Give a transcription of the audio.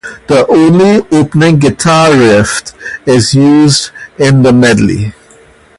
Only the opening guitar riff is used in the medley.